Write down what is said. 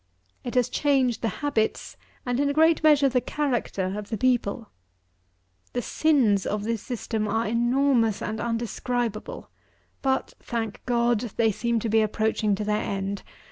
It has changed the habits, and, in a great measure, the character of the people. The sins of this system are enormous and undescribable; but, thank God! they seem to be approaching to their end!